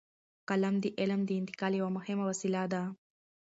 قلم د علم د انتقال یوه مهمه وسیله ده.